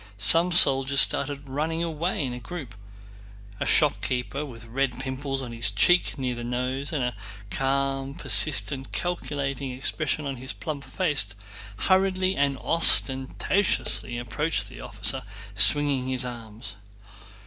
Some soldiers started running away in a group. A shopkeeper with red pimples on his cheeks near the nose, and a calm, persistent, calculating expression on his plump face, hurriedly and ostentatiously approached the officer, swinging his arms.